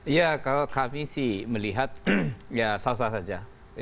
iya kalau kami sih melihat ya sah sah saja